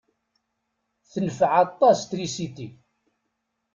Tenfeɛ aṭas trisiti.